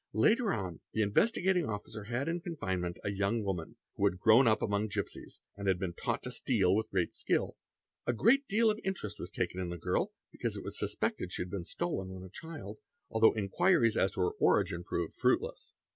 Later on the Investigating Officer had in confinement a j ; young woman who had grown up among gipsies and had been taught to steal with great skill. A great deal of interest was taken in the girl | because it was suspected that she had been stolen when a child, although _ inquiries as to her origin proved fruitless.